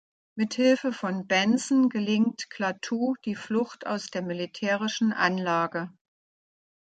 Mit Hilfe von Benson gelingt Klaatu die Flucht aus der militärischen Anlage.